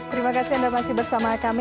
terima kasih anda masih bersama kami